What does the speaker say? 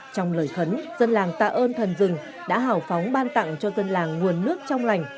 trong lời khấn dân làng tạ ơn thần rừng đã hào phóng ban tặng cho dân làng nguồn nước trong lành